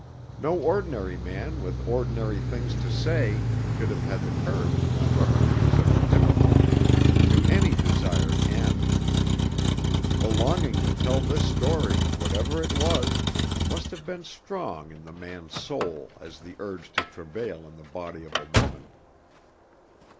No ordinary man with ordinary things to say could have had the courage to struggle through such difficulties, to any desired end. The longing to tell this story, whatever it was, must have been strong in the man's soul as the urge of travail in the body of a woman.